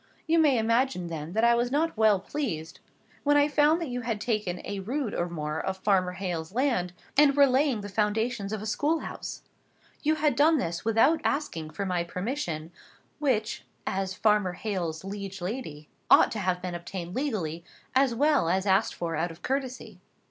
You may imagine, then, that I was not well pleased when I found that you had taken a rood or more of Farmer Hale's land, and were laying the foundations of a school house. You had done this without asking for my permission, which, as Farmer Hale's liege lady, ought to have been obtained legally, as well as asked for out of courtesy.